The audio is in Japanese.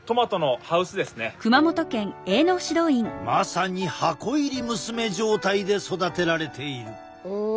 まさに箱入り娘状態で育てられている。